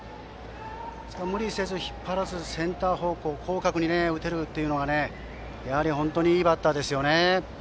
無理せず、引っ張らずセンター方向広角に打てるというのはやはり本当にいいバッターですね。